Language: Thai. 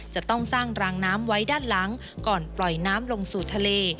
จะต้องสร้างรางน้ำไว้ด้านหลังก่อนปล่อยน้ำลงสู่ทะเล